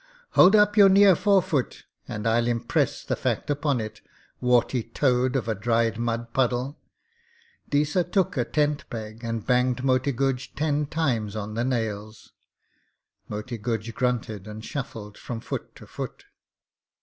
Hold up your near forefoot and I'll impress the fact upon it, warty toad of a dried mud puddle.' Deesa took a tent peg and banged Moti Guj ten times on the nails. Moti Guj grunted and shuffled from foot to foot.